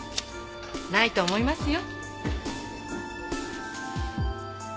ないと思いますよ。